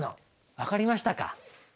分かりました。